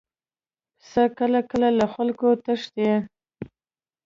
پسه کله کله له خلکو تښتي.